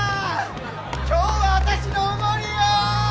今日はあたしのおごりよ！